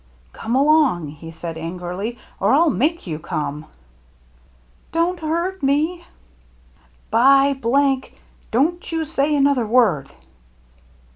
" Come along,'* he said angrily, " or I'll make you come !"" Don't hurt me !"« By ! Don't you say another word